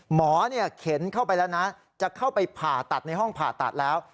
หมอเข็นเข้าไปแล้วนะจะเข้าไปผ่าตัดในห้องผ่าตัดแล้ว